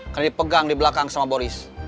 karena dipegang di belakang sama boris